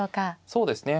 そうですね